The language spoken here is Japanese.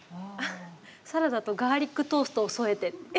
「サラダとガーリックトーストを添えて」。